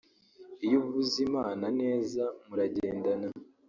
Iyo uvuze Imana neza muragendana